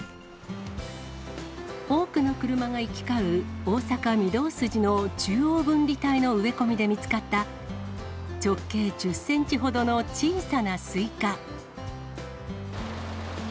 多くの車が行き交う、大阪・御堂筋の中央分離帯の植え込みで見つかった、直径１０センチほどの小さなスイカ。